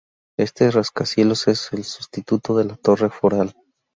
Este rascacielos es el sustituto de la "Torre Foral".